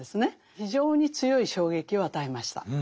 非常に強い衝撃を与えました。